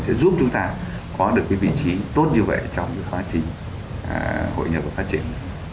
sẽ giúp chúng ta có được vị trí tốt như vậy trong hội nhập và phát triển